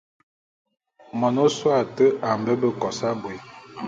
Mon ôsôé ate a mbe kos abui.